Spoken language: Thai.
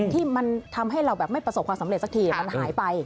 ที่มันทำให้เราแบบไม่ประสบความสำเร็จสักทีมันหายไป